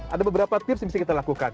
ada beberapa tips yang bisa kita lakukan